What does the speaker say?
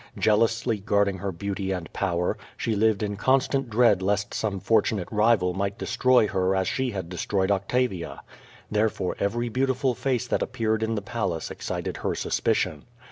Jealously guarding her beauty tnu power, she lived in constant dread less some fortunate rival might destroy her as she had destroyed Octavia. Therefore every beautiful face that appeared in the palace excited her suspicion.